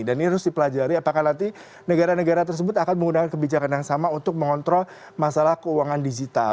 dan ini harus dipelajari apakah nanti negara negara tersebut akan menggunakan kebijakan yang sama untuk mengontrol masalah keuangan digital